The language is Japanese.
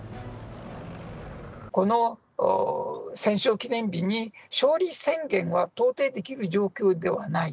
この戦勝記念日に勝利宣言は到底できる状況ではない。